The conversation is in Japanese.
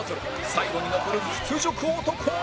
最後に残る屈辱男は？